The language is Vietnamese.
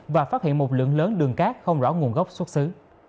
và phát hiện một lượng lớn đường cát không rõ nguồn gốc xuất xứ